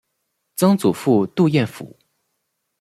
曾祖父杜彦父。